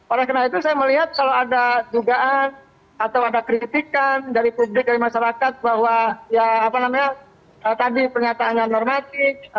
oleh karena itu saya melihat kalau ada dugaan atau ada kritikan dari publik dari masyarakat bahwa ya apa namanya tadi pernyataannya normatif